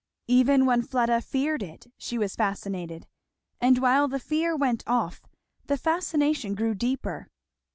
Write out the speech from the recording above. Even when Fleda feared it she was fascinated; and while the fear went off the fascination grew deeper.